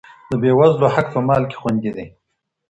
د بې وزلو حق په مال کي خوندي دی.